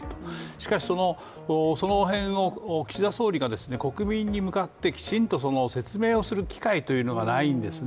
しかし、その辺を岸田総理が国民に向かってきちんと説明をする機会というのがないんですね。